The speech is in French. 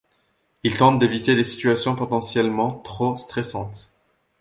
Il tente d'éviter les situations potentiellement trop stressantes.